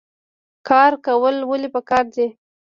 کار کول ولې پکار دي؟